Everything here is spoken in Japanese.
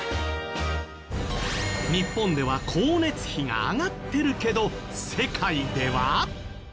日本では光熱費が上がってるけど世界では？